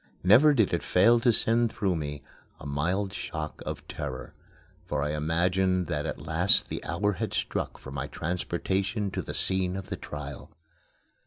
Never did it fail to send through me a mild shock of terror, for I imagined that at last the hour had struck for my transportation to the scene of trial.